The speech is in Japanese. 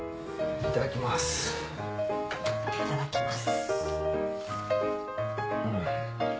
いただきます。